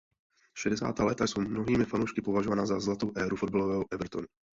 Šedesátá léta jsou mnohými fanoušky považována za zlatou éru fotbalového Evertonu.